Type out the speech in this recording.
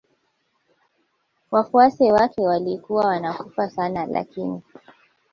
Wafuasi wake walikuwa wanakufa sana lakini